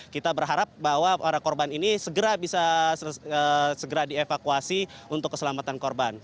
kita berharap bahwa para korban ini segera bisa segera dievakuasi untuk keselamatan korban